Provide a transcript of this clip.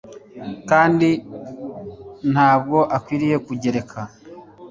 kandi nta n'ubwo akwiriye kugereka